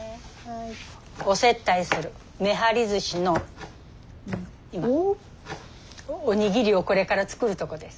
お接待するめはりずしの今おにぎりをこれから作るとこです。